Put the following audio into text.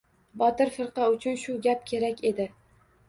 Botir firqa uchun shu gap kerak edi.